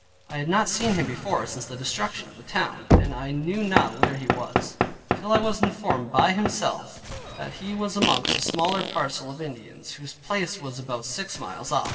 I had not seen him before, since the destruction of the town, and I knew not where he was, till I was informed by himself, that he was amongst a smaller parcel of Indians, whose place was about six miles off.